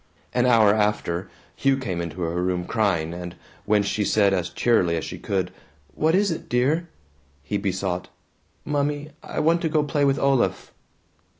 An hour after, Hugh came into her room crying, and when she said as cheerily as she could, "What is it, dear?" he besought, "Mummy, I want to go play with Olaf."